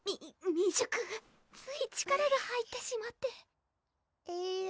未熟つい力が入ってしまってえるぅ？